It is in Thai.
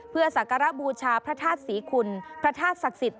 เพื่อสักการะบูชาพระธาตุศรีคุณพระธาตุศักดิ์สิทธิ